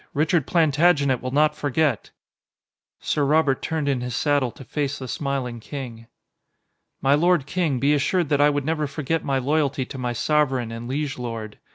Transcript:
Richard Plantagenet will not forget." Sir Robert turned in his saddle to face the smiling king. "My lord king, be assured that I would never forget my loyalty to my sovereign and liege lord.